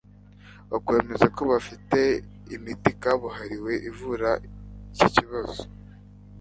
bakwizeza ko bafite imiti kabuhariwe ivura iki kibazo